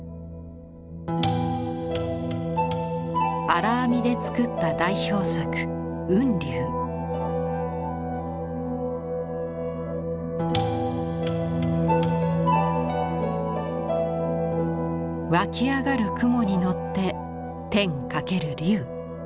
「荒編み」で作った代表作湧き上がる雲にのって天かける龍。